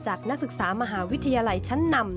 นักศึกษามหาวิทยาลัยชั้นนำ